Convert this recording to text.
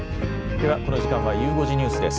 ではこの時間は、ゆう５時ニュースです。